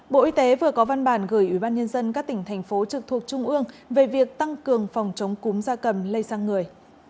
bộ y tế vừa có văn bản gửi ủy ban nhân dân các tỉnh thành phố trực thuộc trung ương về việc tăng cường phòng chống cúm da cầm lây sang người